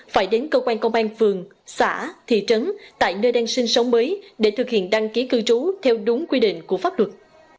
phải đến cơ quan công an phường xã thị trấn tại nơi đang sinh sống mới để thực hiện đăng ký cư trú theo đúng quy định của pháp luật